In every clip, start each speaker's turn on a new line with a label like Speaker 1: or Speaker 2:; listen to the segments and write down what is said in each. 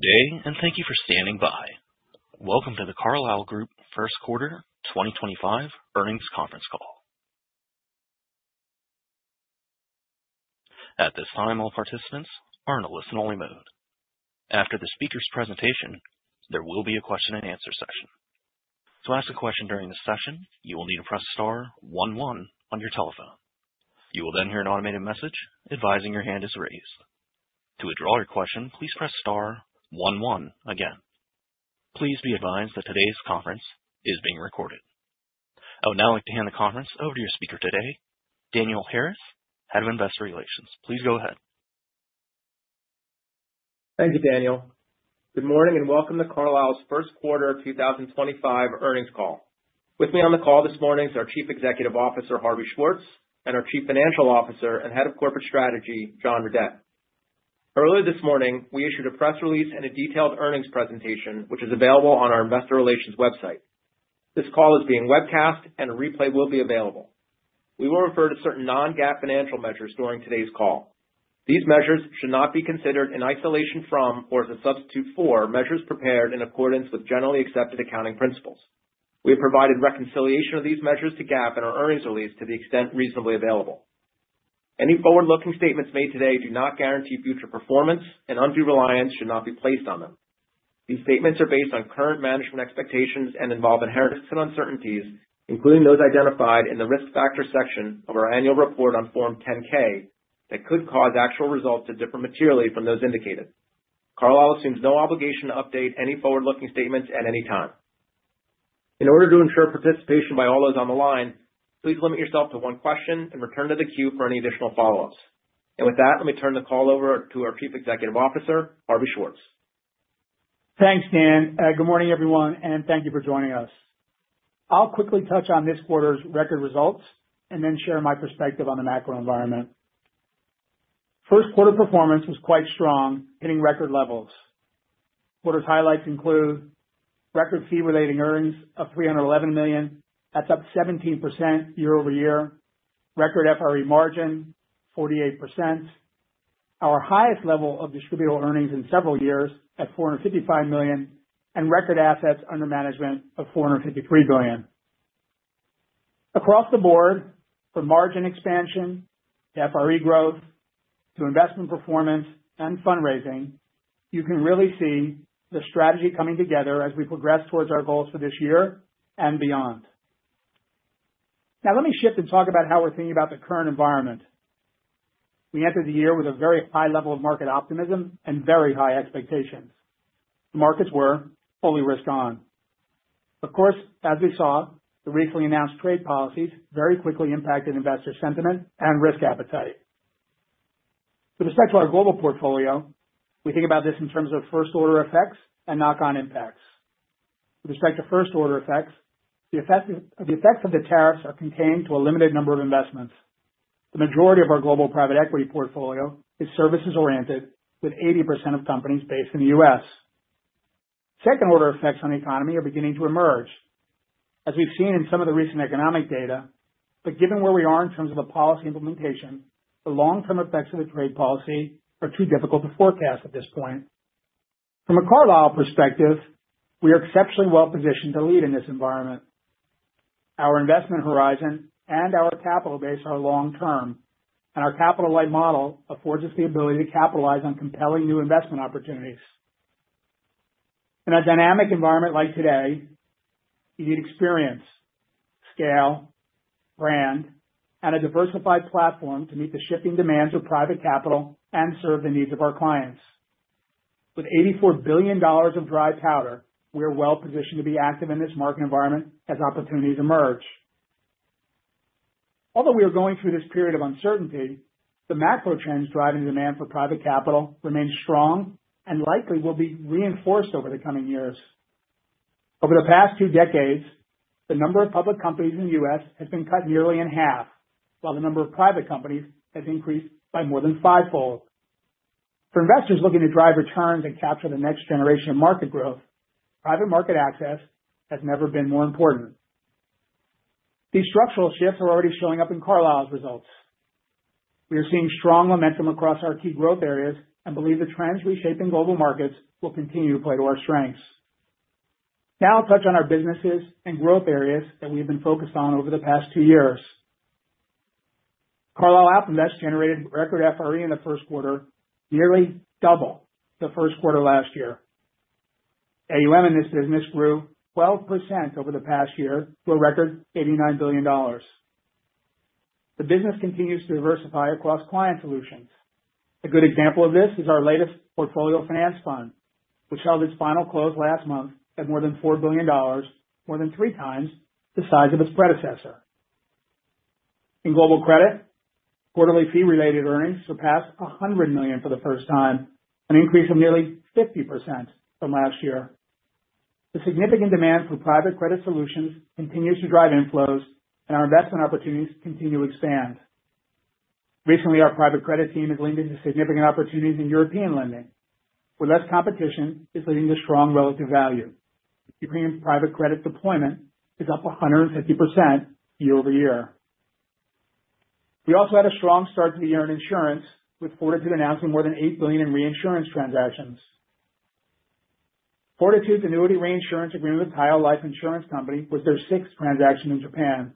Speaker 1: Good day, and thank you for standing by. Welcome to The Carlyle Group First Quarter 2025 earnings conference call. At this time, all participants are in a listen-only mode. After the speaker's presentation, there will be a question and answer session. To ask a question during this session, you will need to press star one one on your telephone. You will then hear an automated message advising your hand is raised. To withdraw your question, please press star one one again. Please be advised that today's conference is being recorded. I would now like to hand the conference over to your speaker today, Daniel Harris, Head of Investor Relations. Please go ahead.
Speaker 2: Thank you, Daniel. Good morning and welcome to Carlyle's First Quarter 2025 earnings call. With me on the call this morning is our Chief Executive Officer, Harvey Schwartz, and our Chief Financial Officer and Head of Corporate Strategy, John Redett. Earlier this morning, we issued a press release and a detailed earnings presentation, which is available on our Investor Relations website. This call is being webcast, and a replay will be available. We will refer to certain non-GAAP financial measures during today's call. These measures should not be considered in isolation from or as a substitute for measures prepared in accordance with generally accepted accounting principles. We have provided reconciliation of these measures to GAAP in our earnings release to the extent reasonably available. Any forward-looking statements made today do not guarantee future performance, and undue reliance should not be placed on them. These statements are based on current management expectations and involve inherent risks and uncertainties, including those identified in the risk factor section of our annual report on Form 10-K that could cause actual results to differ materially from those indicated. Carlyle assumes no obligation to update any forward-looking statements at any time. In order to ensure participation by all those on the line, please limit yourself to one question and return to the queue for any additional follow-ups. And with that, let me turn the call over to our Chief Executive Officer, Harvey Schwartz.
Speaker 3: Thanks, Dan. Good morning, everyone, and thank you for joining us. I'll quickly touch on this quarter's record results and then share my perspective on the macro environment. First quarter performance was quite strong, hitting record levels. Quarter's highlights include record fee-related earnings of $311 million. That's up 17% year-over-year. Record FRE margin, 48%. Our highest level of distributable earnings in several years at $455 million and record assets under management of $453 billion. Across the board, from margin expansion to FRE growth to investment performance and fundraising, you can really see the strategy coming together as we progress towards our goals for this year and beyond. Now, let me shift and talk about how we're thinking about the current environment. We entered the year with a very high level of market optimism and very high expectations. The markets were fully risk-on. Of course, as we saw, the recently announced trade policies very quickly impacted investor sentiment and risk appetite. With respect to our global portfolio, we think about this in terms of first-order effects and knock-on impacts. With respect to first-order effects, the effects of the tariffs are contained to a limited number of investments. The majority of our global private equity portfolio is services-oriented, with 80% of companies based in the U.S. Second-order effects on the economy are beginning to emerge, as we've seen in some of the recent economic data. But given where we are in terms of the policy implementation, the long-term effects of the trade policy are too difficult to forecast at this point. From a Carlyle perspective, we are exceptionally well-positioned to lead in this environment. Our investment horizon and our capital base are long-term, and our capital-light model affords us the ability to capitalize on compelling new investment opportunities. In a dynamic environment like today, you need experience, scale, brand, and a diversified platform to meet the shifting demands of private capital and serve the needs of our clients. With $84 billion of dry powder, we are well-positioned to be active in this market environment as opportunities emerge. Although we are going through this period of uncertainty, the macro trends driving demand for private capital remain strong and likely will be reinforced over the coming years. Over the past two decades, the number of public companies in the U.S. has been cut nearly in half, while the number of private companies has increased by more than fivefold. For investors looking to drive returns and capture the next generation of market growth, private market access has never been more important. These structural shifts are already showing up in Carlyle's results. We are seeing strong momentum across our key growth areas and believe the trends reshaping global markets will continue to play to our strengths. Now, I'll touch on our businesses and growth areas that we have been focused on over the past two years. AlpInvest Partners generated record FRE in the first quarter, nearly double the first quarter last year. AUM in this business grew 12% over the past year to a record $89 billion. The business continues to diversify across client solutions. A good example of this is our latest portfolio finance fund, which held its final close last month at more than $4 billion, more than three times the size of its predecessor. In global credit, quarterly fee-related earnings surpassed $100 million for the first time, an increase of nearly 50% from last year. The significant demand for private credit solutions continues to drive inflows, and our investment opportunities continue to expand. Recently, our private credit team has leaned into significant opportunities in European lending, where less competition is leading to strong relative value. U.K. private credit deployment is up 150% year-over-year. We also had a strong start to the year in insurance, with Fortitude announcing more than $8 billion in reinsurance transactions. Fortitude's annuity reinsurance agreement with Taiyo Life Insurance Company was their sixth transaction in Japan.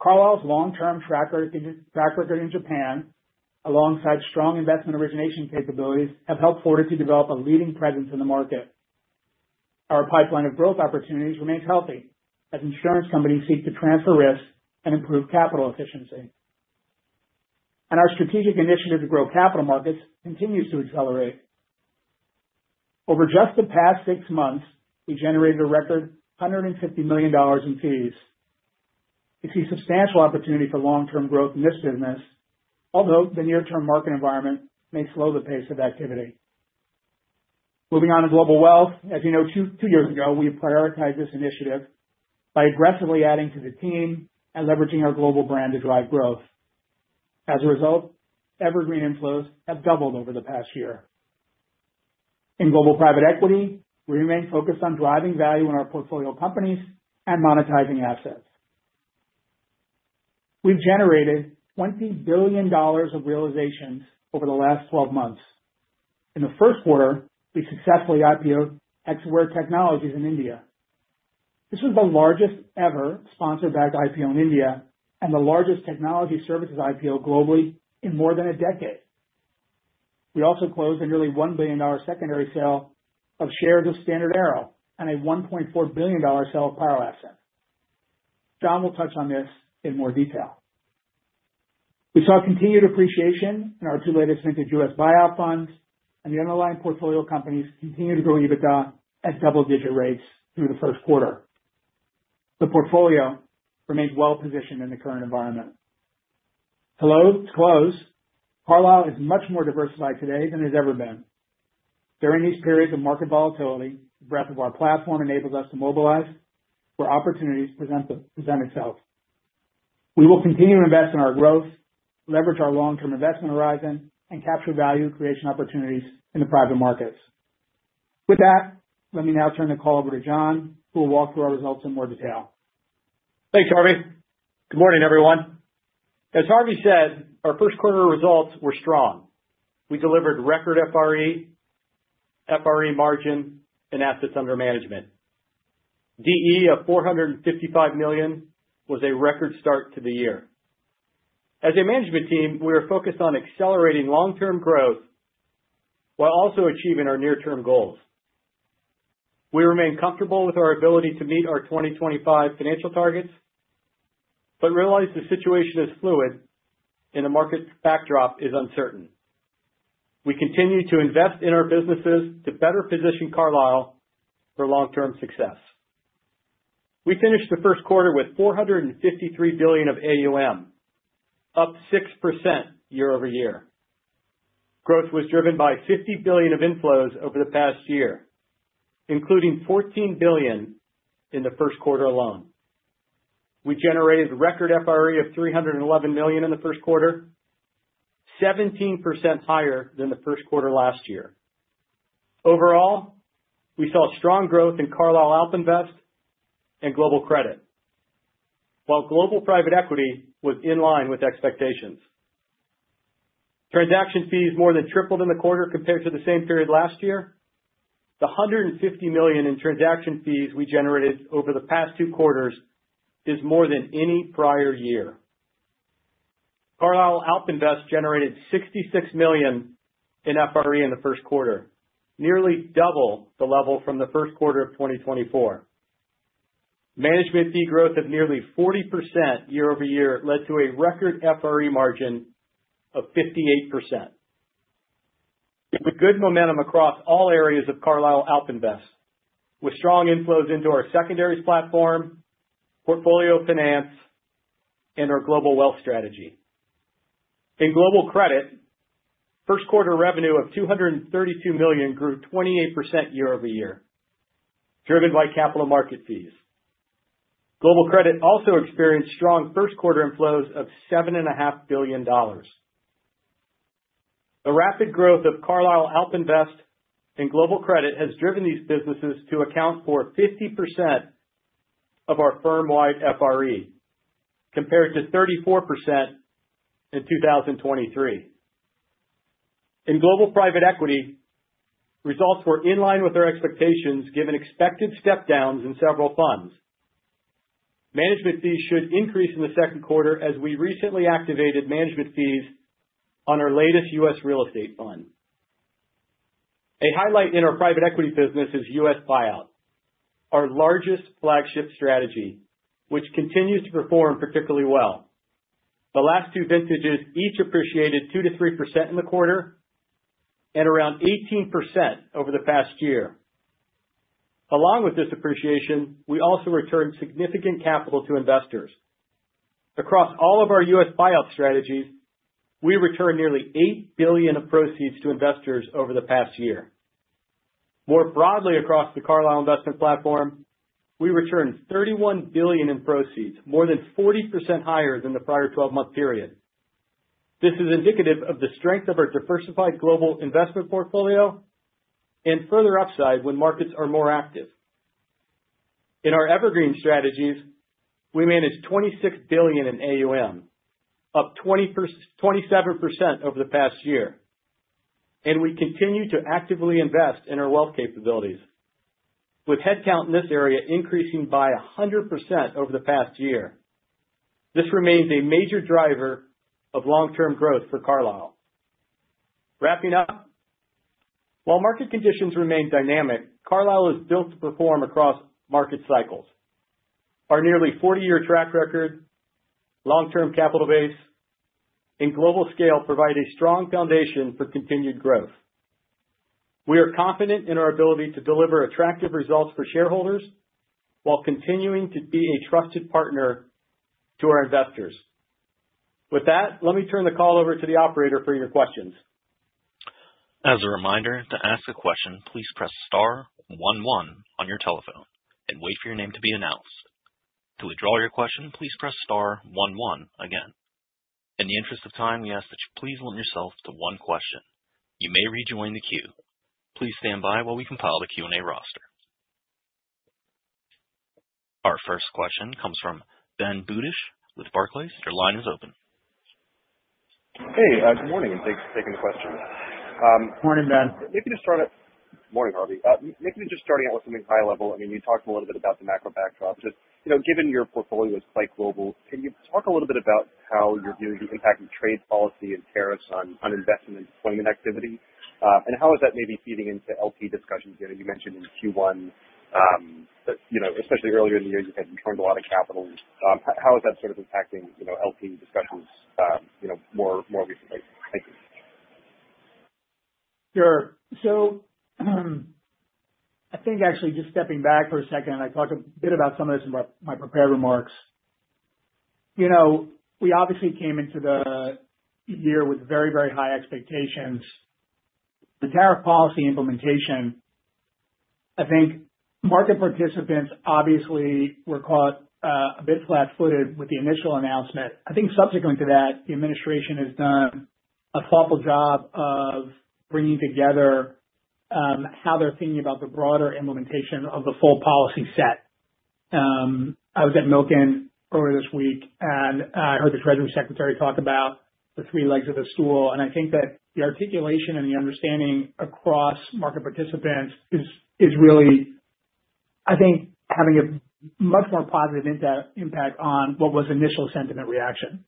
Speaker 3: Carlyle's long-term track record in Japan, alongside strong investment origination capabilities, has helped Fortitude develop a leading presence in the market. Our pipeline of growth opportunities remains healthy as insurance companies seek to transfer risk and improve capital efficiency. Our strategic initiatives to grow capital markets continue to accelerate. Over just the past six months, we generated a record $150 million in fees. We see substantial opportunity for long-term growth in this business, although the near-term market environment may slow the pace of activity. Moving on to global wealth, as you know, two years ago, we prioritized this initiative by aggressively adding to the team and leveraging our global brand to drive growth. As a result, evergreen inflows have doubled over the past year. In global private equity, we remain focused on driving value in our portfolio companies and monetizing assets. We've generated $20 billion of realizations over the last 12 months. In the first quarter, we successfully IPOed Hexaware Technologies in India. This was the largest-ever sponsor-backed IPO in India and the largest technology services IPO globally in more than a decade. We also closed a nearly $1 billion secondary sale of shares of StandardAero and a $1.4 billion sale of AlpInvest. John will touch on this in more detail. We saw continued appreciation in our two latest minted U.S. buyout funds, and the underlying portfolio companies continued to grow EBITDA at double-digit rates through the first quarter. The portfolio remains well-positioned in the current environment. To close, Carlyle is much more diversified today than it has ever been. During these periods of market volatility, the breadth of our platform enables us to mobilize where opportunities present itself. We will continue to invest in our growth, leverage our long-term investment horizon, and capture value creation opportunities in the private markets. With that, let me now turn the call over to John, who will walk through our results in more detail.
Speaker 4: Thanks, Harvey. Good morning, everyone. As Harvey said, our first-quarter results were strong. We delivered record FRE, FRE margin, and assets under management. DE of $455 million was a record start to the year. As a management team, we are focused on accelerating long-term growth while also achieving our near-term goals. We remain comfortable with our ability to meet our 2025 financial targets but realize the situation is fluid and the market backdrop is uncertain. We continue to invest in our businesses to better position Carlyle for long-term success. We finished the first quarter with $453 billion of AUM, up 6% year-over-year. Growth was driven by $50 billion of inflows over the past year, including $14 billion in the first quarter alone. We generated record FRE of $311 million in the first quarter, 17% higher than the first quarter last year. Overall, we saw strong growth in AlpInvest Partners and global credit, while global private equity was in line with expectations. Transaction fees more than tripled in the quarter compared to the same period last year. The $150 million in transaction fees we generated over the past two quarters is more than any prior year. AlpInvest Partners generated $66 million in FRE in the first quarter, nearly double the level from the first quarter of 2024. Management fee growth of nearly 40% year-over-year led to a record FRE margin of 58%. We had good momentum across all areas of AlpInvest Partners, with strong inflows into our secondaries platform, portfolio finance, and our global wealth strategy. In global credit, first-quarter revenue of $232 million grew 28% year-over-year, driven by capital market fees. Global credit also experienced strong first-quarter inflows of $7.5 billion. The rapid growth of AlpInvest Partners and global credit has driven these businesses to account for 50% of our firm-wide FRE, compared to 34% in 2023. In global private equity, results were in line with our expectations given expected step-downs in several funds. Management fees should increase in the second quarter as we recently activated management fees on our latest U.S. real estate fund. A highlight in our private equity business is U.S. buyout, our largest flagship strategy, which continues to perform particularly well. The last two vintages each appreciated 2% to 3% in the quarter and around 18% over the past year. Along with this appreciation, we also returned significant capital to investors. Across all of our U.S. buyout strategies, we returned nearly $8 billion of proceeds to investors over the past year. More broadly, across the Carlyle Investment platform, we returned $31 billion in proceeds, more than 40% higher than the prior 12-month period. This is indicative of the strength of our diversified global investment portfolio and further upside when markets are more active. In our evergreen strategies, we managed $26 billion in AUM, up 27% over the past year. And we continue to actively invest in our wealth capabilities, with headcount in this area increasing by 100% over the past year. This remains a major driver of long-term growth for Carlyle. Wrapping up, while market conditions remain dynamic, Carlyle is built to perform across market cycles. Our nearly 40-year track record, long-term capital base, and global scale provide a strong foundation for continued growth. We are confident in our ability to deliver attractive results for shareholders while continuing to be a trusted partner to our investors. With that, let me turn the call over to the operator for your questions.
Speaker 1: As a reminder, to ask a question, please press star one one on your telephone and wait for your name to be announced. To withdraw your question, please press star one one again. In the interest of time, we ask that you please limit yourself to one question. You may rejoin the queue. Please stand by while we compile the Q&A roster. Our first question comes from Benjamin Budish with Barclays. Your line is open.
Speaker 5: Hey, good morning. Thanks for taking the question.
Speaker 3: Morning, Benj.
Speaker 5: Maybe to start out. Morning, Harvey. Maybe just starting out with something high-level. I mean, you talked a little bit about the macro backdrop. Given your portfolio is quite global, can you talk a little bit about how you're viewing the impact of trade policy and tariffs on investment deployment activity? And how is that maybe feeding into LP discussions? You mentioned in Q1, especially earlier in the year, you had turned a lot of capital. How is that sort of impacting LP discussions more recently? Thank you.
Speaker 3: Sure. So I think, actually, just stepping back for a second, I talked a bit about some of this in my prepared remarks. We obviously came into the year with very, very high expectations. The tariff policy implementation, I think market participants obviously were caught a bit flat-footed with the initial announcement. I think subsequent to that, the administration has done a thoughtful job of bringing together how they're thinking about the broader implementation of the full policy set. I was at Milken earlier this week, and I heard the Treasury Secretary talk about the three legs of the stool. And I think that the articulation and the understanding across market participants is really, I think, having a much more positive impact on what was initial sentiment reaction.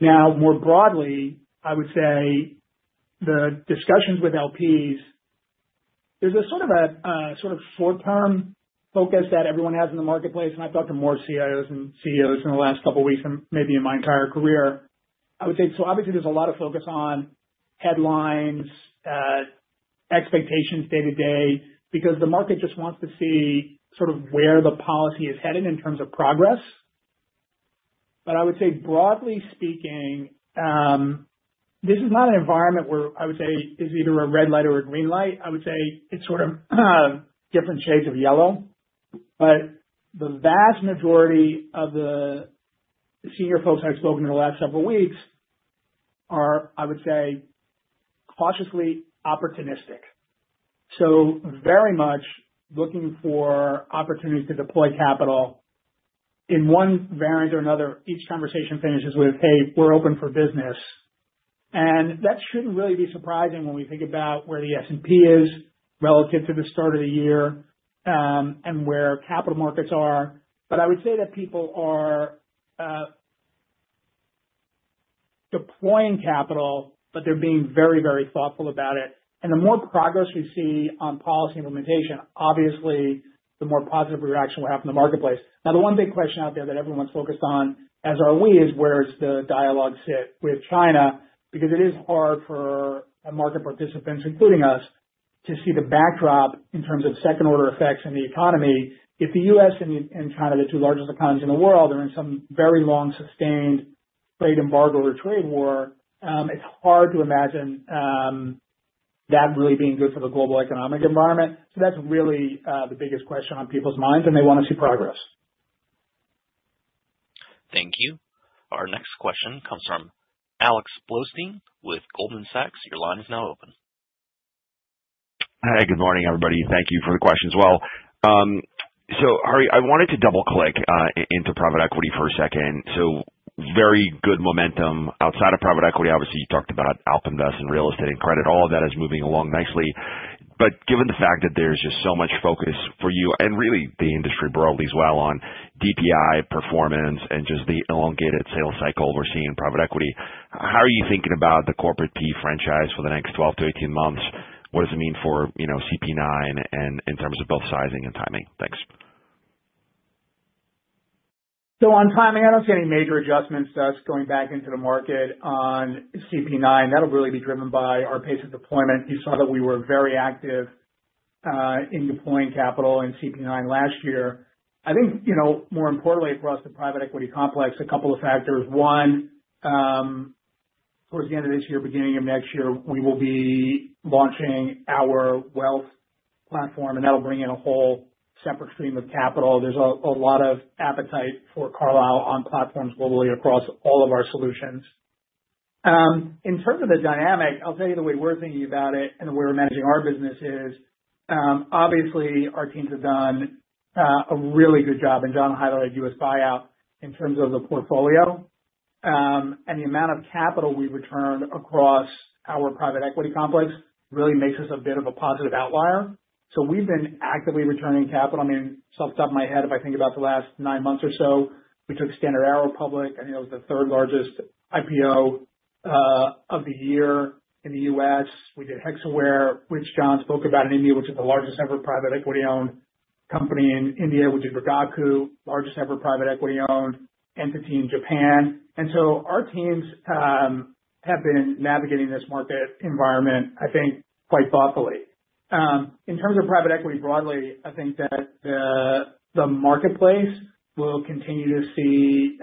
Speaker 3: Now, more broadly, I would say the discussions with LPs, there's a sort of short-term focus that everyone has in the marketplace. I've talked to more CIOs and CEOs in the last couple of weeks than maybe in my entire career. I would say, so obviously, there's a lot of focus on headlines, expectations day-to-day, because the market just wants to see sort of where the policy is headed in terms of progress. But I would say, broadly speaking, this is not an environment where I would say is either a red light or a green light. I would say it's sort of different shades of yellow. But the vast majority of the senior folks I've spoken to the last several weeks are, I would say, cautiously opportunistic, so very much looking for opportunities to deploy capital. In one variant or another, each conversation finishes with, "Hey, we're open for business." And that shouldn't really be surprising when we think about where the S&P is relative to the start of the year and where capital markets are. But I would say that people are deploying capital, but they're being very, very thoughtful about it. And the more progress we see on policy implementation, obviously, the more positive reaction will happen in the marketplace. Now, the one big question out there that everyone's focused on, as are we, is where does the dialogue sit with China? Because it is hard for market participants, including us, to see the backdrop in terms of second-order effects in the economy. If the U.S. and China, the two largest economies in the world, are in some very long, sustained trade embargo or trade war, it's hard to imagine that really being good for the global economic environment. So that's really the biggest question on people's minds, and they want to see progress.
Speaker 1: Thank you. Our next question comes from Alex Blostein with Goldman Sachs. Your line is now open.
Speaker 6: Hi, good morning, everybody. Thank you for the question as well. So Harvey, I wanted to double-click into private equity for a second. So very good momentum outside of private equity. Obviously, you talked about AlpInvest and real estate and credit. All of that is moving along nicely. But given the fact that there's just so much focus for you and really the industry broadly as well on DPI performance and just the elongated sales cycle we're seeing in private equity, how are you thinking about the corporate PE franchise for the next 12-18 months? What does it mean for CP-9 and in terms of both sizing and timing? Thanks.
Speaker 3: So on timing, I don't see any major adjustments to us going back into the market on CP-9. That'll really be driven by our pace of deployment. You saw that we were very active in deploying capital in CP-9 last year. I think, more importantly, across the private equity complex, a couple of factors. One, towards the end of this year, beginning of next year, we will be launching our wealth platform, and that'll bring in a whole separate stream of capital. There's a lot of appetite for Carlyle on platforms globally across all of our solutions. In terms of the dynamic, I'll tell you the way we're thinking about it and the way we're managing our business is, obviously, our teams have done a really good job. And John highlighted U.S. buyout in terms of the portfolio. And the amount of capital we returned across our private equity complex really makes us a bit of a positive outlier. So we've been actively returning capital. I mean, off the top of my head if I think about the last nine months or so. We took StandardAero public, and it was the third largest IPO of the year in the U.S. We did Hexaware, which John spoke about in India, which is the largest ever private equity-owned company in India. We did Rigaku, largest ever private equity-owned entity in Japan. And so our teams have been navigating this market environment, I think, quite thoughtfully. In terms of private equity broadly, I think that the marketplace will continue to see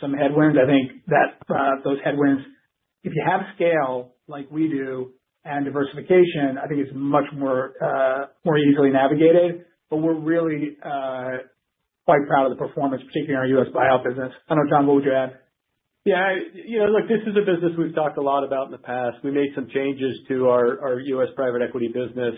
Speaker 3: some headwinds. I think that those headwinds, if you have scale like we do and diversification, I think it's much more easily navigated. But we're really quite proud of the performance, particularly in our U.S. buyout business. I don't know, John, what would you add?
Speaker 4: Yeah. Look, this is a business we've talked a lot about in the past. We made some changes to our U.S. private equity business.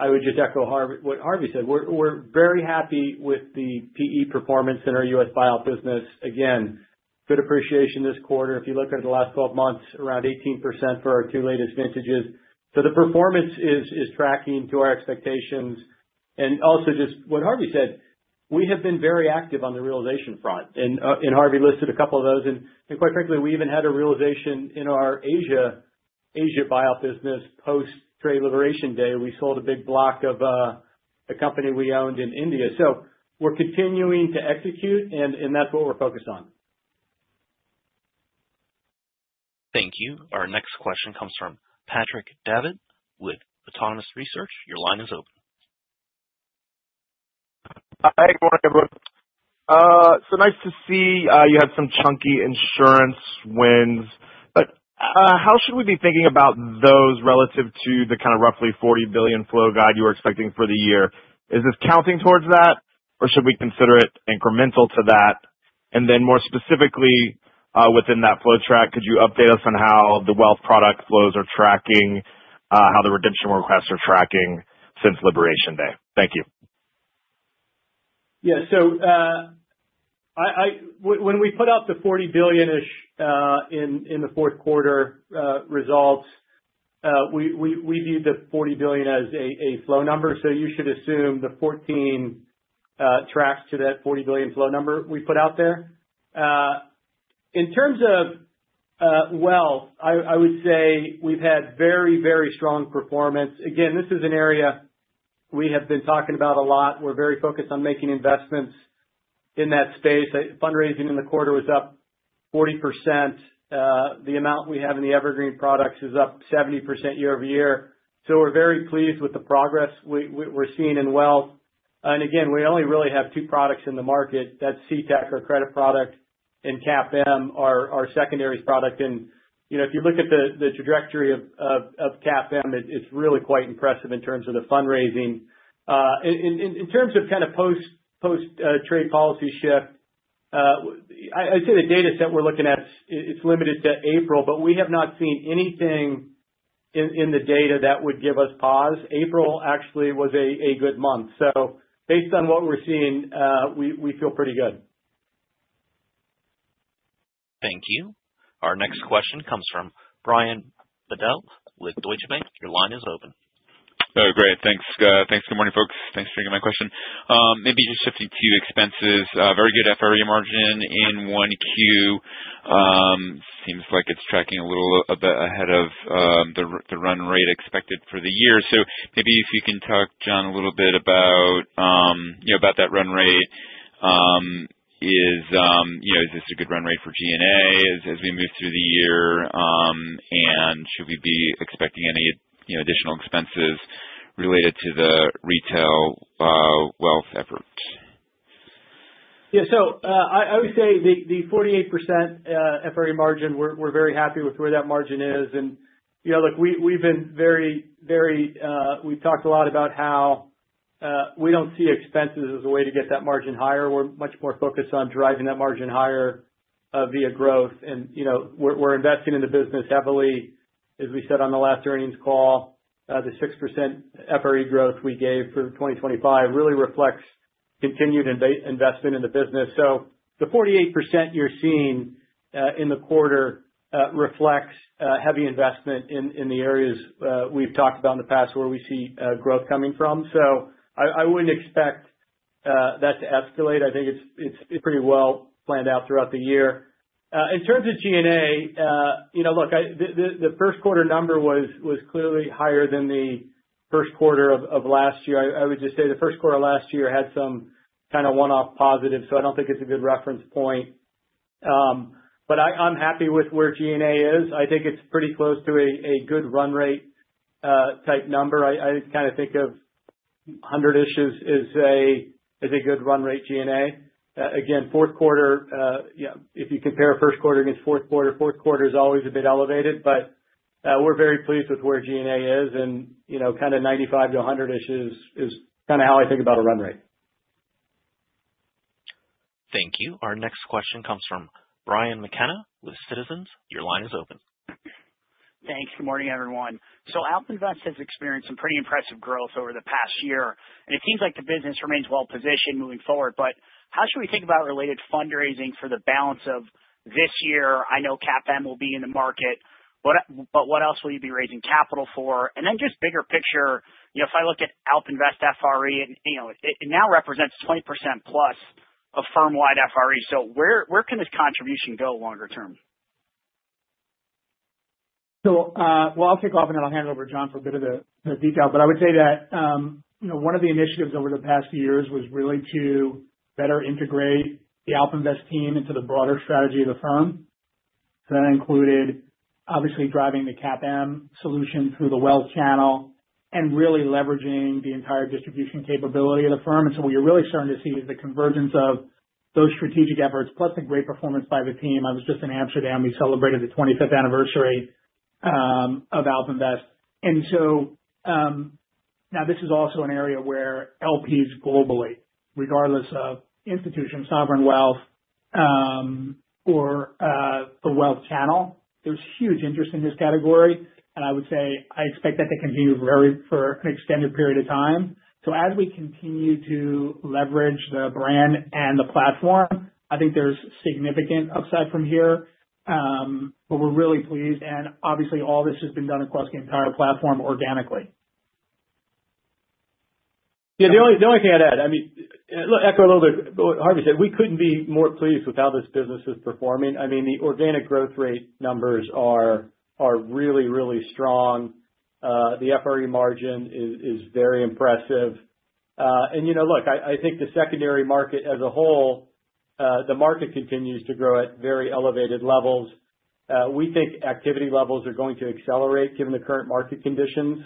Speaker 4: I would just echo what Harvey said. We're very happy with the PE performance in our U.S. buyout business. Again, good appreciation this quarter. If you look at the last 12 months, around 18% for our two latest vintages. So the performance is tracking to our expectations. And also just what Harvey said, we have been very active on the realization front. And Harvey listed a couple of those. And quite frankly, we even had a realization in our Asia buyout business post-trade liberalization day. We sold a big block of a company we owned in India. So we're continuing to execute, and that's what we're focused on.
Speaker 1: Thank you. Our next question comes from Patrick Davitt with Autonomous Research. Your line is open.
Speaker 7: Hi, good morning, everyone. So nice to see you had some chunky insurance wins. But how should we be thinking about those relative to the kind of roughly $40 billion flow guide you were expecting for the year? Is this counting towards that, or should we consider it incremental to that? And then more specifically, within that flow track, could you update us on how the wealth product flows are tracking, how the redemption requests are tracking since liberation day? Thank you.
Speaker 4: Yeah. So when we put out the $40 billion-ish in the fourth quarter results, we viewed the $40 billion as a flow number. So you should assume the $14 billion tracks to that $40 billion flow number we put out there. In terms of wealth, I would say we've had very, very strong performance. Again, this is an area we have been talking about a lot. We're very focused on making investments in that space. Fundraising in the quarter was up 40%. The amount we have in the evergreen products is up 70% year-over-year. So we're very pleased with the progress we're seeing in wealth. And again, we only really have two products in the market. That's CTAC, our credit product, and CAPM, our secondary product. And if you look at the trajectory of CAPM, it's really quite impressive in terms of the fundraising. In terms of kind of post-trade policy shift, I'd say the data set we're looking at, it's limited to April, but we have not seen anything in the data that would give us pause. April actually was a good month. So based on what we're seeing, we feel pretty good.
Speaker 1: Thank you. Our next question comes from Brian Bedell with Deutsche Bank. Your line is open.
Speaker 8: Oh, great. Thanks. Good morning, folks. Thanks for taking my question. Maybe just shifting to expenses. Very good FRE margin in 1-Q. Seems like it's tracking a little bit ahead of the run rate expected for the year. So maybe if you can talk, John, a little bit about that run rate. Is this a good run rate for G&A as we move through the year? And should we be expecting any additional expenses related to the retail wealth effort?
Speaker 4: Yeah. So I would say the 48% FRE margin; we're very happy with where that margin is. And look, we've been very, very. We've talked a lot about how we don't see expenses as a way to get that margin higher. We're much more focused on driving that margin higher via growth. And we're investing in the business heavily. As we said on the last earnings call, the 6% FRE growth we gave for 2025 really reflects continued investment in the business. So the 48% you're seeing in the quarter reflects heavy investment in the areas we've talked about in the past where we see growth coming from. So I wouldn't expect that to escalate. I think it's pretty well planned out throughout the year. In terms of G&A, look, the first quarter number was clearly higher than the first quarter of last year. I would just say the first quarter of last year had some kind of one-off positives. So I don't think it's a good reference point. But I'm happy with where G&A is. I think it's pretty close to a good run rate type number. I kind of think of 100-ish as a good run rate G&A. Again, fourth quarter, if you compare first quarter against fourth quarter, fourth quarter is always a bit elevated. But we're very pleased with where G&A is. And kind of 95 to 100-ish is kind of how I think about a run rate.
Speaker 1: Thank you. Our next question comes from Brian McKenna with Citizens. Your line is open.
Speaker 9: Thanks. Good morning, everyone. So AlpInvest has experienced some pretty impressive growth over the past year. And it seems like the business remains well-positioned moving forward. But how should we think about related fundraising for the balance of this year? I know CAPM will be in the market. But what else will you be raising capital for? And then just bigger picture, if I look at AlpInvest FRE, it now represents 20% plus of firm-wide FRE. So where can this contribution go longer term?
Speaker 3: I'll kick off, and I'll hand it over to John for a bit of the detail. I would say that one of the initiatives over the past few years was really to better integrate the AlpInvest team into the broader strategy of the firm. That included, obviously, driving the CAPM solution through the wealth channel and really leveraging the entire distribution capability of the firm. What you're really starting to see is the convergence of those strategic efforts plus the great performance by the team. I was just in Amsterdam. We celebrated the 25th anniversary of AlpInvest. Now this is also an area where LPs globally, regardless of institution, sovereign wealth, or the wealth channel, there's huge interest in this category. I would say I expect that to continue for an extended period of time. As we continue to leverage the brand and the platform, I think there's significant upside from here. But we're really pleased. And obviously, all this has been done across the entire platform organically.
Speaker 4: Yeah. The only thing I'd add, I mean, echo a little bit what Harvey said. We couldn't be more pleased with how this business is performing. I mean, the organic growth rate numbers are really, really strong. The FRE margin is very impressive. And look, I think the secondary market as a whole, the market continues to grow at very elevated levels. We think activity levels are going to accelerate given the current market conditions.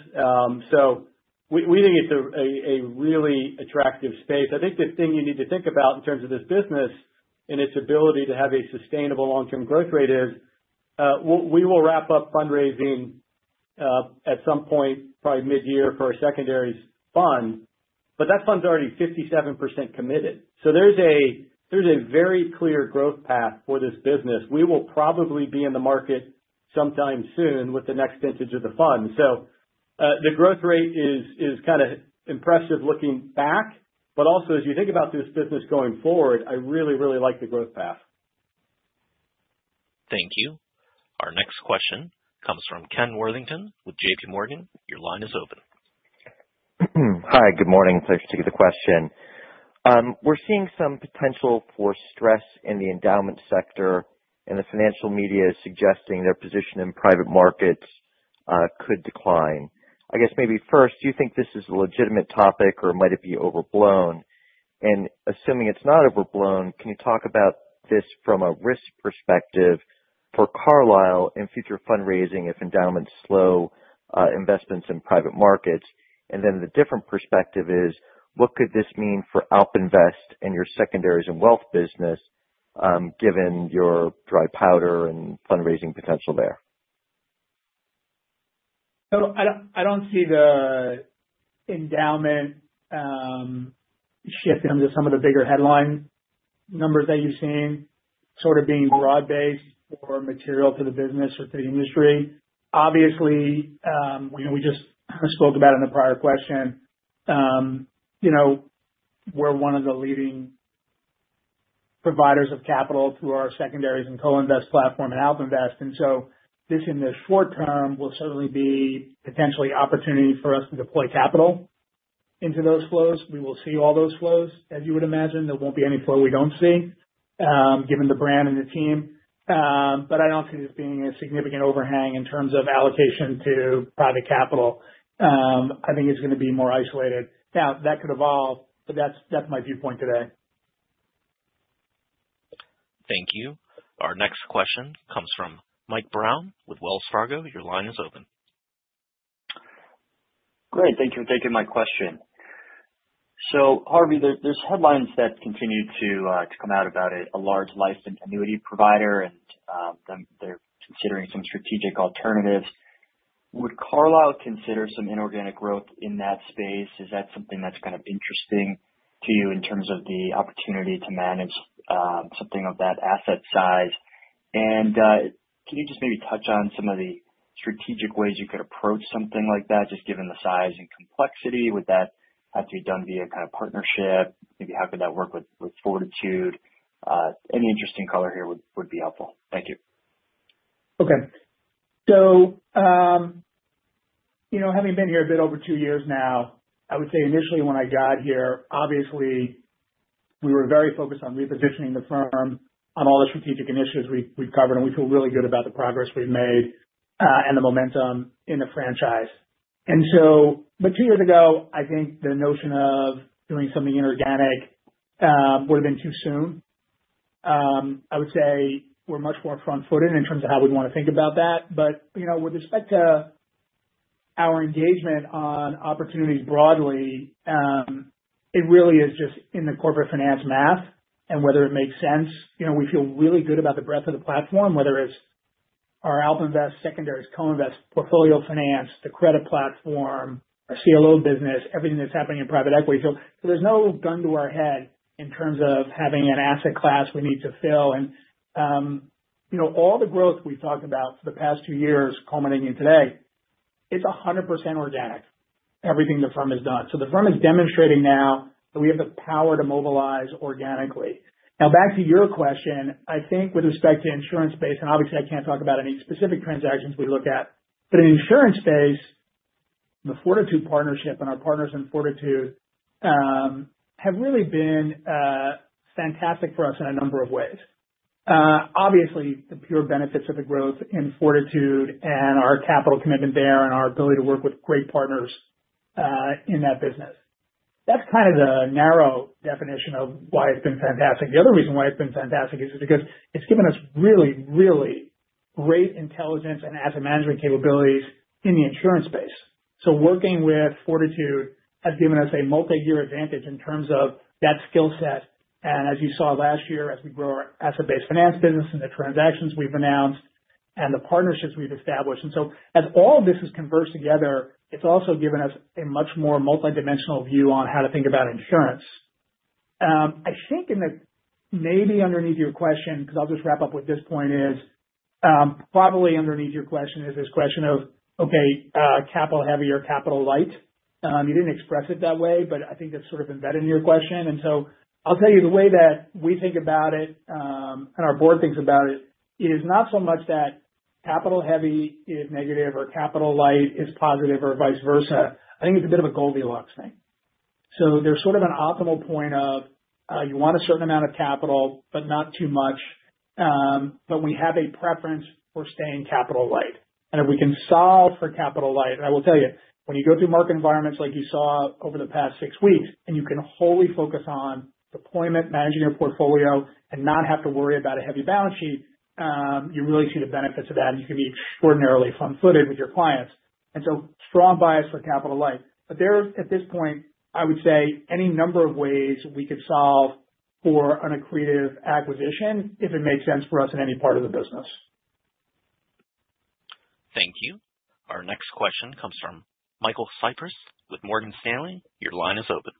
Speaker 4: So we think it's a really attractive space. I think the thing you need to think about in terms of this business and its ability to have a sustainable long-term growth rate is we will wrap up fundraising at some point, probably mid-year, for a secondary fund. But that fund's already 57% committed. So there's a very clear growth path for this business. We will probably be in the market sometime soon with the next vintage of the fund. So the growth rate is kind of impressive looking back. But also, as you think about this business going forward, I really, really like the growth path.
Speaker 1: Thank you. Our next question comes from Ken Worthington with JPMorgan. Your line is open.
Speaker 10: Hi, good morning. Pleasure to take the question. We're seeing some potential for stress in the endowment sector, and the financial media is suggesting their position in private markets could decline. I guess maybe first, do you think this is a legitimate topic, or might it be overblown? And assuming it's not overblown, can you talk about this from a risk perspective for Carlyle in future fundraising if endowments slow investments in private markets? And then the different perspective is, what could this mean for AlpInvest and your secondaries and wealth business given your dry powder and fundraising potential there?
Speaker 3: I don't see the endowment shifting into some of the bigger headline numbers that you've seen, sort of being broad-based or material to the business or to the industry. Obviously, we just spoke about it in the prior question. We're one of the leading providers of capital through our secondaries and co-invest platform and AlpInvest. And so this, in the short term, will certainly be potentially an opportunity for us to deploy capital into those flows. We will see all those flows, as you would imagine. There won't be any flow we don't see given the brand and the team. But I don't see this being a significant overhang in terms of allocation to private capital. I think it's going to be more isolated. Now, that could evolve, but that's my viewpoint today.
Speaker 1: Thank you. Our next question comes from Mike Brown with Wells Fargo. Your line is open.
Speaker 11: Great. Thank you for taking my question. So Harvey, there's headlines that continue to come out about a large licensed annuity provider, and they're considering some strategic alternatives. Would Carlyle consider some inorganic growth in that space? Is that something that's kind of interesting to you in terms of the opportunity to manage something of that asset size? And can you just maybe touch on some of the strategic ways you could approach something like that, just given the size and complexity? Would that have to be done via kind of partnership? Maybe how could that work with Fortitude? Any interesting color here would be helpful. Thank you.
Speaker 3: Okay. So having been here a bit over two years now, I would say initially when I got here, obviously, we were very focused on repositioning the firm, on all the strategic initiatives we've covered, and we feel really good about the progress we've made and the momentum in the franchise. But two years ago, I think the notion of doing something inorganic would have been too soon. I would say we're much more front-footed in terms of how we'd want to think about that. But with respect to our engagement on opportunities broadly, it really is just in the corporate finance math and whether it makes sense. We feel really good about the breadth of the platform, whether it's our AlpInvest secondaries, co-invest portfolio finance, the credit platform, our CLO business, everything that's happening in private equity. There's no gun to our head in terms of having an asset class we need to fill. All the growth we've talked about for the past two years, culminating today, it's 100% organic, everything the firm has done. The firm is demonstrating now that we have the power to mobilize organically. Now, back to your question, I think with respect to insurance-based, and obviously, I can't talk about any specific transactions we look at. In insurance-based, the Fortitude partnership and our partners in Fortitude have really been fantastic for us in a number of ways. Obviously, the pure benefits of the growth in Fortitude and our capital commitment there and our ability to work with great partners in that business. That's kind of the narrow definition of why it's been fantastic. The other reason why it's been fantastic is because it's given us really, really great intelligence and asset management capabilities in the insurance space, so working with Fortitude has given us a multi-year advantage in terms of that skill set, and as you saw last year, as we grow our asset-based finance business and the transactions we've announced and the partnerships we've established, and so as all of this has converged together, it's also given us a much more multidimensional view on how to think about insurance. I think maybe underneath your question, because I'll just wrap up with this point, is probably underneath your question is this question of, okay, capital heavy or capital light? You didn't express it that way, but I think that's sort of embedded in your question, and so I'll tell you the way that we think about it and our board thinks about it. It is not so much that capital heavy is negative or capital light is positive or vice versa. I think it's a bit of a Goldilocks thing. So there's sort of an optimal point where you want a certain amount of capital, but not too much. But we have a preference for staying capital light. And if we can solve for capital light, and I will tell you, when you go through market environments like you saw over the past six weeks, and you can wholly focus on deployment, managing your portfolio, and not have to worry about a heavy balance sheet, you really see the benefits of that, and you can be extraordinarily front-footed with your clients. And so, strong bias for capital light. But at this point, I would say any number of ways we could solve for an accretive acquisition if it makes sense for us in any part of the business.
Speaker 1: Thank you. Our next question comes from Michael Cyprys with Morgan Stanley. Your line is open.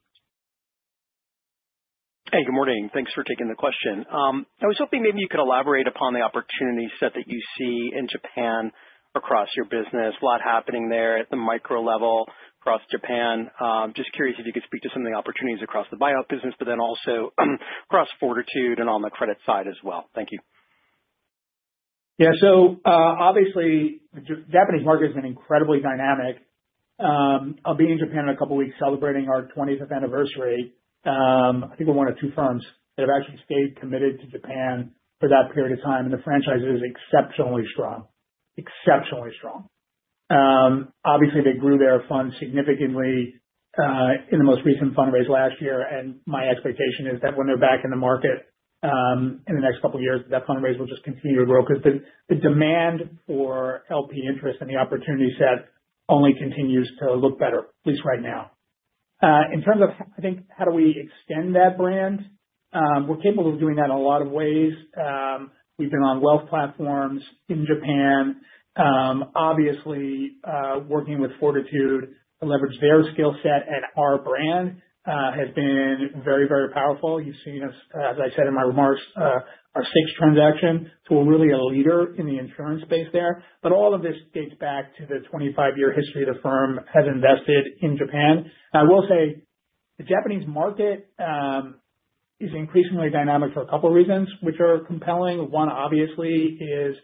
Speaker 12: Hey, good morning. Thanks for taking the question. I was hoping maybe you could elaborate upon the opportunity set that you see in Japan across your business, a lot happening there at the micro level across Japan. Just curious if you could speak to some of the opportunities across the buyout business, but then also across Fortitude and on the credit side as well. Thank you.
Speaker 3: Yeah. So obviously, the Japanese market has been incredibly dynamic. I'll be in Japan in a couple of weeks celebrating our 20th anniversary. I think we're one of two firms that have actually stayed committed to Japan for that period of time. And the franchise is exceptionally strong, exceptionally strong. Obviously, they grew their fund significantly in the most recent fundraise last year. And my expectation is that when they're back in the market in the next couple of years, that fundraise will just continue to grow because the demand for LP interest and the opportunity set only continues to look better, at least right now. In terms of, I think, how do we extend that brand, we're capable of doing that in a lot of ways. We've been on wealth platforms in Japan. Obviously, working with Fortitude to leverage their skill set and our brand has been very, very powerful. You've seen us, as I said in my remarks, our six transactions. So we're really a leader in the insurance space there. But all of this dates back to the 25-year history the firm has invested in Japan. I will say the Japanese market is increasingly dynamic for a couple of reasons, which are compelling. One, obviously, is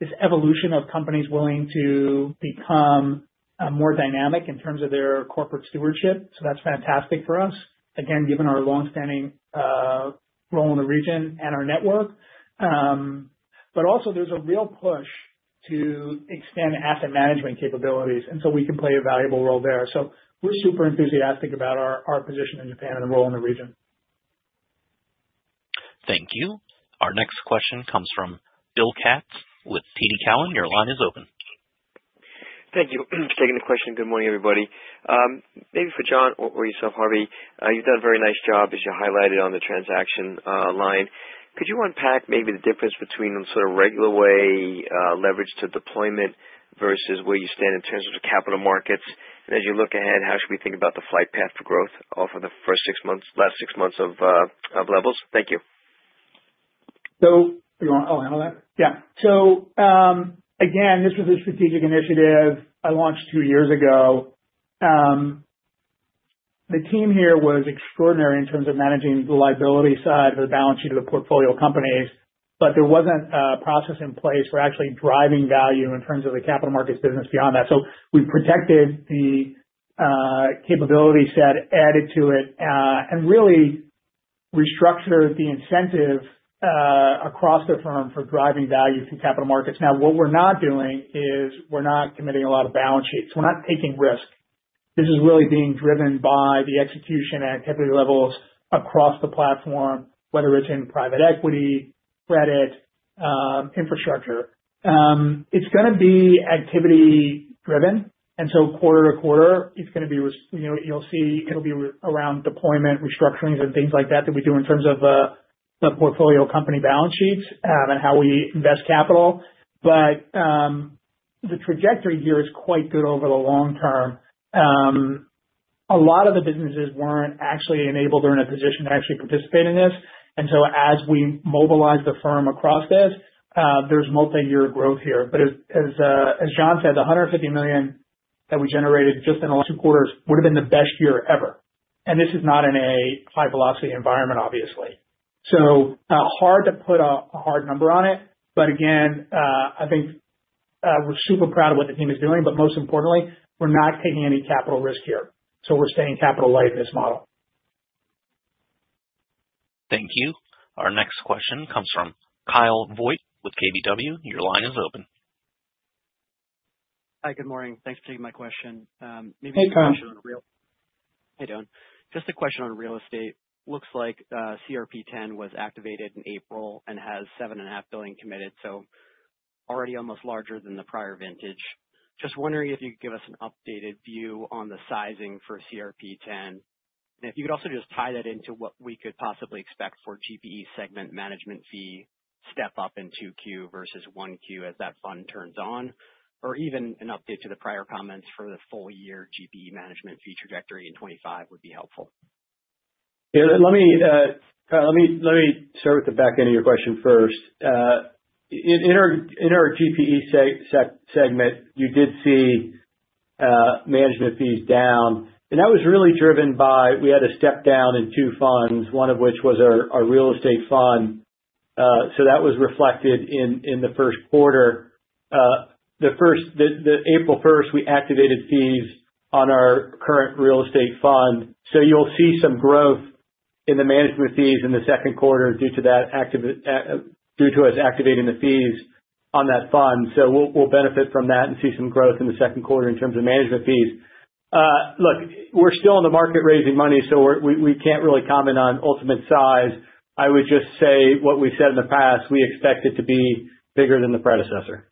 Speaker 3: this evolution of companies willing to become more dynamic in terms of their corporate stewardship. So that's fantastic for us, again, given our longstanding role in the region and our network. But also, there's a real push to extend asset management capabilities, and so we can play a valuable role there. So we're super enthusiastic about our position in Japan and the role in the region.
Speaker 1: Thank you. Our next question comes from Bill Katz with TD Cowen. Your line is open.
Speaker 13: Thank you for taking the question. Good morning, everybody. Maybe for John or yourself, Harvey, you've done a very nice job, as you highlighted on the transaction line. Could you unpack maybe the difference between sort of regular way leverage to deployment versus where you stand in terms of the capital markets? And as you look ahead, how should we think about the flight path for growth over the last six months of levels? Thank you.
Speaker 3: So again, this was a strategic initiative I launched two years ago. The team here was extraordinary in terms of managing the liability side of the balance sheet of the portfolio companies. But there wasn't a process in place for actually driving value in terms of the capital markets business beyond that. So we protected the capability set, added to it, and really restructured the incentive across the firm for driving value through capital markets. Now, what we're not doing is we're not committing a lot of balance sheets. We're not taking risk. This is really being driven by the execution and activity levels across the platform, whether it's in private equity, credit, infrastructure. It's going to be activity-driven. And so quarter-to-quarter, it's going to be. You'll see it'll be around deployment, restructurings, and things like that that we do in terms of the portfolio company balance sheets and how we invest capital. But the trajectory here is quite good over the long term. A lot of the businesses weren't actually enabled or in a position to actually participate in this. And so as we mobilize the firm across this, there's multi-year growth here. But as John said, the $150 million that we generated just in two quarters would have been the best year ever. And this is not in a high-velocity environment, obviously. So hard to put a hard number on it. But again, I think we're super proud of what the team is doing. But most importantly, we're not taking any capital risk here. So we're staying capital light in this model.
Speaker 1: Thank you. Our next question comes from Kyle Voigt with KBW. Your line is open.
Speaker 14: Hi, good morning. Thanks for taking my question. Maybe a question on real estate.
Speaker 3: Hey, Kyle.
Speaker 14: Hey, Dan. Just a question on real estate. Looks like CRP-10 was activated in April and has $7.5 billion committed, so already almost larger than the prior vintage. Just wondering if you could give us an updated view on the sizing for CRP-10. And if you could also just tie that into what we could possibly expect for GPE segment management fee step up in 2Q versus 1-Q as that fund turns on. Or even an update to the prior comments for the full-year GPE management fee trajectory in 2025 would be helpful.
Speaker 4: Yeah. Let me start with the back end of your question first. In our GPE segment, you did see management fees down. And that was really driven by we had a step down in two funds, one of which was our real estate fund. So that was reflected in the first quarter. On April 1st, we activated fees on our current real estate fund. So you'll see some growth in the management fees in the second quarter due to us activating the fees on that fund. So we'll benefit from that and see some growth in the second quarter in terms of management fees. Look, we're still in the market raising money, so we can't really comment on ultimate size. I would just say what we said in the past, we expect it to be bigger than the predecessor.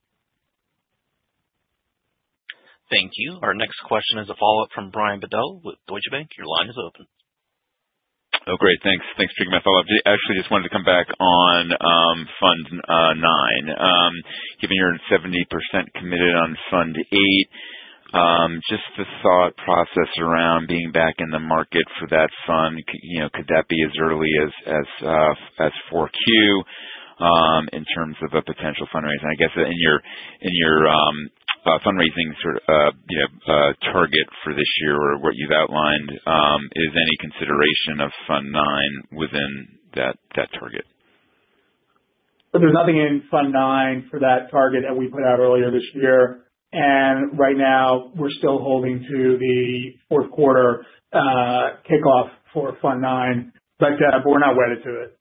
Speaker 1: Thank you. Our next question is a follow-up from Brian Bedell with Deutsche Bank. Your line is open.
Speaker 8: Oh, great. Thanks. Thanks for taking my follow-up. Actually, just wanted to come back on fund nine. Given you're 70% committed on fund eight, just the thought process around being back in the market for that fund, could that be as early as 4-Q in terms of a potential fundraising? I guess in your fundraising target for this year or what you've outlined, is any consideration of fund nine within that target?
Speaker 4: There's nothing in fund nine for that target that we put out earlier this year. And right now, we're still holding to the fourth quarter kickoff for fund nine, but we're not wedded to it.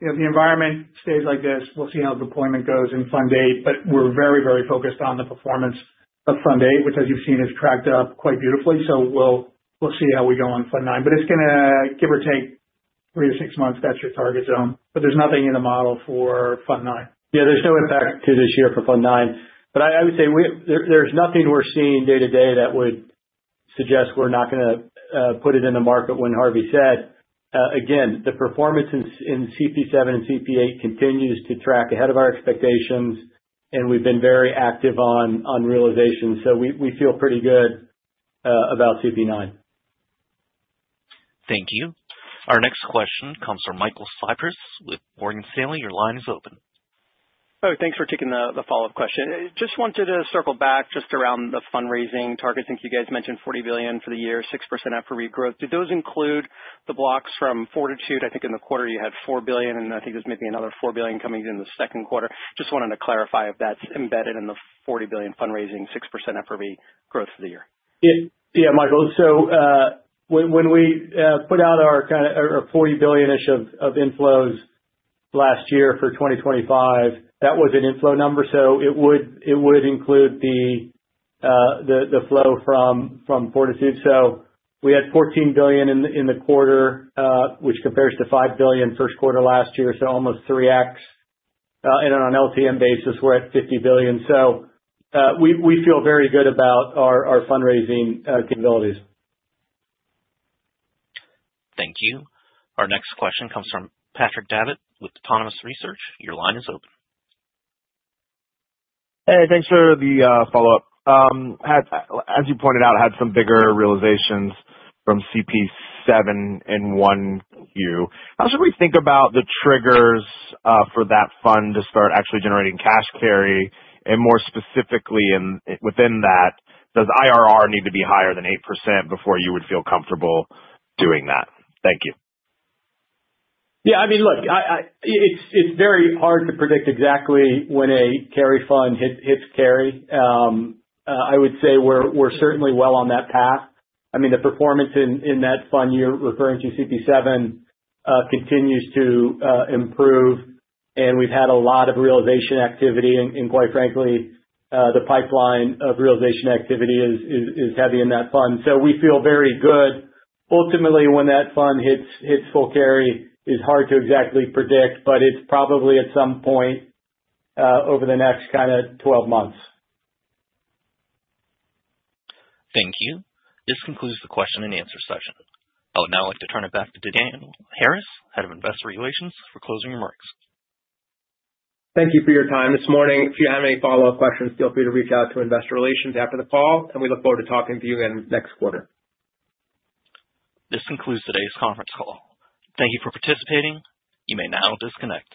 Speaker 4: The environment stays like this. We'll see how deployment goes in fund eight. But we're very, very focused on the performance of fund eight, which, as you've seen, has cracked up quite beautifully. So we'll see how we go on fund nine. But it's going to, give or take, three to six months. That's your target zone. But there's nothing in the model for fund nine. Yeah, there's no impact to this year for fund nine. But I would say there's nothing we're seeing day to day that would suggest we're not going to put it in the market when Harvey said. Again, the performance in CP-7 and CP-8 continues to track ahead of our expectations. And we've been very active on realization. So we feel pretty good about CP-9.
Speaker 1: Thank you. Our next question comes from Michael Cyprys with Morgan Stanley. Your line is open.
Speaker 12: Oh, thanks for taking the follow-up question. Just wanted to circle back just around the fundraising targets. I think you guys mentioned $40 billion for the year, 6% after regrowth. Did those include the blocks from Fortitude? I think in the quarter, you had $4 billion, and I think there's maybe another $4 billion coming in the second quarter. Just wanted to clarify if that's embedded in the $40 billion fundraising, 6% after regrowth for the year.
Speaker 3: Yeah, Michael. So when we put out our $40 billion-ish of inflows last year for 2025, that was an inflow number. So it would include the flow from Fortitude. So we had $14 billion in the quarter, which compares to $5 billion first quarter last year, so almost 3x. And on an LTM basis, we're at $50 billion. So we feel very good about our fundraising capabilities.
Speaker 1: Thank you. Our next question comes from Patrick Davitt with Autonomous Research. Your line is open.
Speaker 7: Hey, thanks for the follow-up. As you pointed out, I had some bigger realizations from CP-7 in 1-Q. How should we think about the triggers for that fund to start actually generating cash carry? And more specifically, within that, does IRR need to be higher than 8% before you would feel comfortable doing that? Thank you.
Speaker 3: Yeah. I mean, look, it's very hard to predict exactly when a carry fund hits carry. I would say we're certainly well on that path. I mean, the performance in that fund you're referring to, CP-7, continues to improve. And we've had a lot of realization activity. And quite frankly, the pipeline of realization activity is heavy in that fund. So we feel very good. Ultimately, when that fund hits full carry, it's hard to exactly predict, but it's probably at some point over the next kind of 12 months.
Speaker 1: Thank you. This concludes the question and answer session. Oh, now I'd like to turn it back to Daniel Harris, Head of Investor Relations, for closing remarks.
Speaker 2: Thank you for your time this morning. If you have any follow-up questions, feel free to reach out to Investor Relations after the call, and we look forward to talking to you again next quarter.
Speaker 1: This concludes today's conference call. Thank you for participating. You may now disconnect.